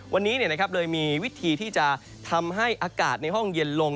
วันนี้เลยมีวิธีที่จะทำให้อากาศในห้องเย็นลง